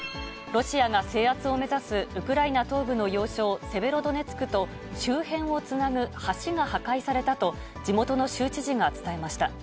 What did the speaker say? ロシアが制圧を目指すウクライナ東部の要衝セベロドネツクと周辺をつなぐ橋が破壊されたと、地元の州知事が伝えました。